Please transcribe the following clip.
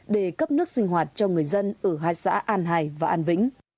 để cấp nước sinh hoạt cho người dân ở hai xã an hải và an vĩnh